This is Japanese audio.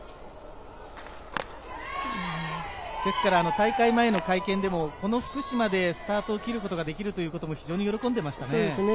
大会前の会見でもこの福島でスタートを切ることができるのは非常に喜んでいましたね。